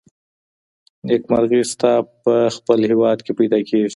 نېکمرغي ستا په خپل هیواد کي پیدا کیږي.